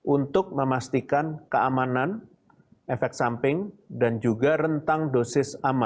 untuk memastikan keamanan efek samping dan juga rentang dosis aman